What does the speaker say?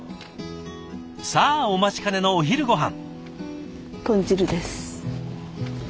さあお待ちかねのお昼ごはん。